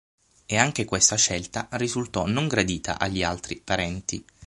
E anche questa scelta risultò non gradita agli altri parenti.